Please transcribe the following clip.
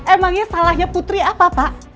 emangnya salahnya putri apa pak